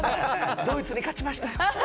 ドイツに勝ちましたよ。